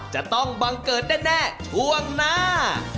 จะต้องบังเกิดแน่ช่วงหน้า